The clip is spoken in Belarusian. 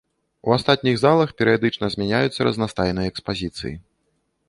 У астатніх залах перыядычна змяняюцца разнастайныя экспазіцыі.